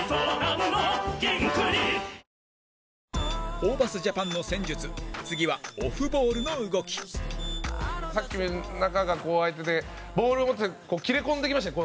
ホーバスＪＡＰＡＮの戦術次は、オフボールの動き澤部：さっき、中が開いててボールを持って切れ込んでいきましたね